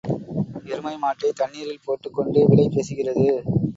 எருமை மாட்டைத் தண்ணீரில் போட்டுக் கொண்டு விலை பேசுகிறது.